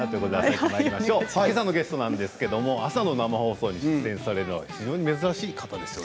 けさのゲストは朝の生放送に出演されるのは非常に珍しい方です。